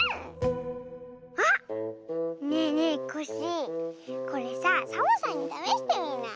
あっねえねえコッシーこれさサボさんにためしてみない？